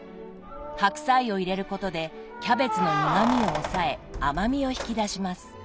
白菜を入れることでキャベツの苦みを抑え甘みを引き出します。